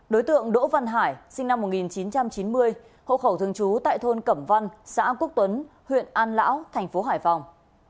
đối tượng đỗ văn hải sinh năm một nghìn chín trăm chín mươi hộ khẩu thường trú tại thôn cẩm văn xã quốc tuấn huyện an lão thành phố hải phòng